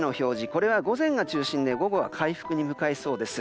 これは午前が中心で午後は回復に向かいそうです。